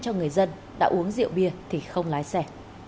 cho người dân đã uống rượu bia thì không lái xe